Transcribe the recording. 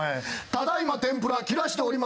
ただ今天ぷら切らしております。